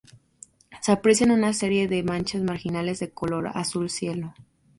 Se aprecian una serie de manchas marginales de color azul cielo.